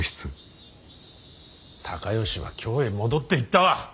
高能は京へ戻っていったわ！